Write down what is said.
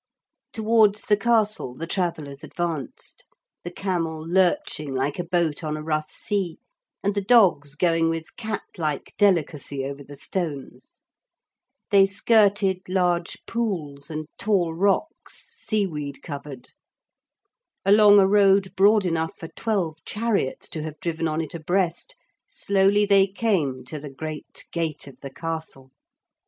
Towards the castle the travellers advanced, the camel lurching like a boat on a rough sea, and the dogs going with cat like delicacy over the stones. They skirted large pools and tall rocks seaweed covered. Along a road broad enough for twelve chariots to have driven on it abreast, slowly they came to the great gate of the castle.